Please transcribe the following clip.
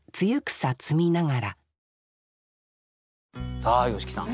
さあ吉木さん